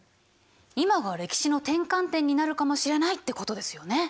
今が歴史の転換点になるかもしれないってことですよね？